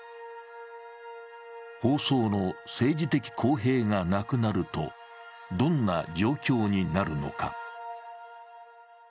放送の政治的公平がなくなるとどんな状況になるのか。